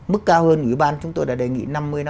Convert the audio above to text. mức cao hơn ủy ban chúng tôi đã đề nghị năm mươi năm